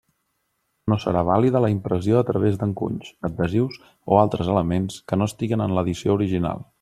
No serà vàlida la impressió a través d'encunys, adhesius o altres elements que no estiguen en l'edició original.